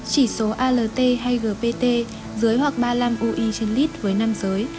chỉ số alt hay gpt dưới hoặc ba mươi năm ui trên lít với nam giới